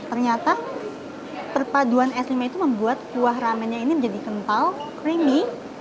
ternyata perpaduan es krimnya itu membuat kuah ramennya ini menjadi kental creamy